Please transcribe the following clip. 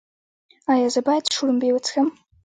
ایا زه باید شړومبې وڅښم؟